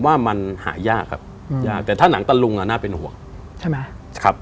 ว่ามันหายากครับยากแต่ถ้าหนังตะลุงอ่ะน่าเป็นห่วงใช่ไหมครับ